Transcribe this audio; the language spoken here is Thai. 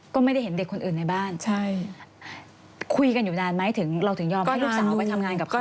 ก็ไม่ได้เห็นเด็กคนอื่นในบ้านใช่คุยกันอยู่นานไหมถึงเราถึงยอมให้ลูกสาวไปทำงานกับเขา